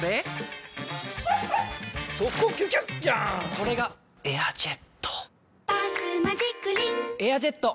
それが「エアジェット」「バスマジックリン」「エアジェット」！